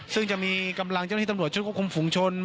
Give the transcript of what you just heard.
ซึ่งจะมีกำลังเจ้าหน้าที่ตำรวจชุดควบคุมฝุงชน